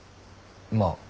まあ。